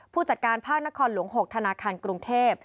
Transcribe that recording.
ผู้จัดการภาคนครหลวง๖ธนาคารกรุงเทพ